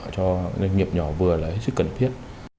cho doanh nghiệp nhỏ vừa là hết sức cần thiết